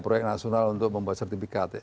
proyek nasional untuk membuat sertifikat ya